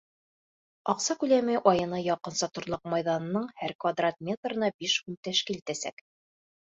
Аҡса күләме айына яҡынса торлаҡ майҙанының һәр квадрат метрына биш һум тәшкил итәсәк.